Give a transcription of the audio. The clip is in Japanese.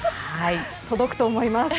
届くと思います。